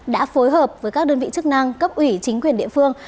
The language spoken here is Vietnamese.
đã phối hợp với các đơn vị chức năng cấp ủy chính quyền địa phương